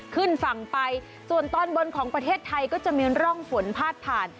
ขึ้นฝั่งไปส่วนตอนบนของประเทศไทยก็จะมีร่องฝนพาดผ่าน